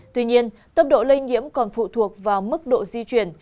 tuy nhiên tốc độ lây nhiễm còn phụ thuộc vào mức độ di chuyển